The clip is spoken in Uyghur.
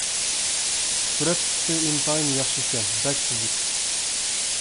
سۈرەت سۈپىتى ئىنتايىن ياخشى ئىكەن، بەك سۈزۈك.